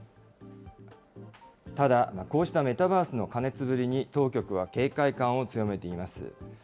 ただ、こうしたメタバースの過熱ぶりに、当局は警戒感を強めています。